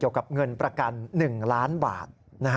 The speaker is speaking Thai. เกี่ยวกับเงินประกัน๑ล้านบาท